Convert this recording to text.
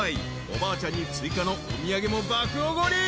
［おばあちゃんに追加のお土産も爆おごり］